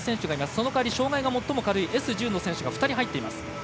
その代わり最も障がいの軽いＳ１０の２人入っています。